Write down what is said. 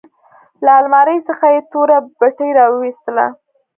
له المارۍ څخه يې توره پټۍ راوايستله.